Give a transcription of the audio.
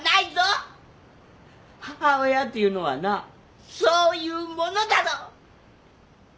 母親というのはなそういうものだぞ！